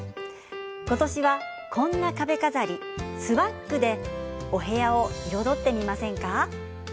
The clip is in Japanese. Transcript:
今年はこんな壁飾りスワッグでお部屋を彩ってみませんか。